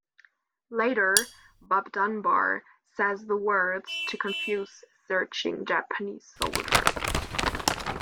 Later, Bob Dunbar says the words to confuse searching Japanese soldiers.